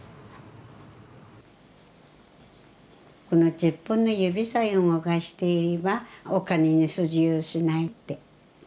この十本の指さえ動かしていればお金に不自由しないって。